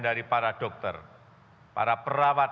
dari para dokter para perawat